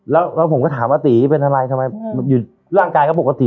แล้วแล้วผมก็ถามตีเป็นอะไรทำไมอยู่ร่างกายเขาบอกว่าตี